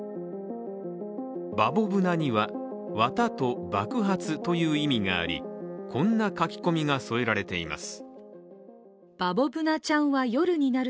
バボブナには綿と爆発という意味があり、こんな書き込みが添えられています。